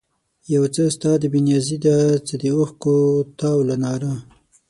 یو څه ستا د بې نیازي ده، څه د اوښکو تاو له ناره